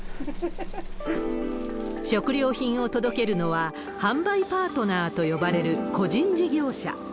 食料品を届けるのは、販売パートナーと呼ばれる個人事業者。